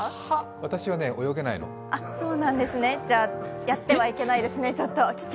私はね、泳げないの。じゃあやってはいけないですね、危険。